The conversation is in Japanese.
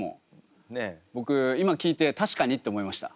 僕今聞いて確かにって思いました。